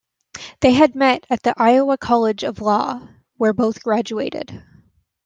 They had met at the Iowa College of Law, where both graduated.